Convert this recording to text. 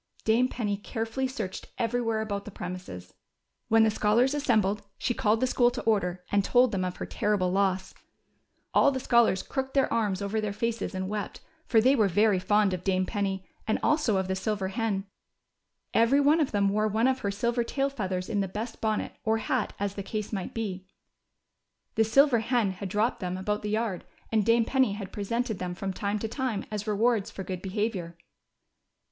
Dame Penny carefully searched everywhere about the premises. When the scholars assembled she called the school to order, and told them of her terrible loss. All the scholars crooked their arms over their faces and wept, for they were very fond of Dame Penny, " THE SNOW WAS QUITE DEEP." THE SILVER HEN. 257 and also of the silver hen. Every one of them wore one of her silver tail feathers in the best bonnet^ or hat, as the case might he. The silver hen had dropped them about the yard, and Dame Penny had presented them from time to time as rewards for good be havior.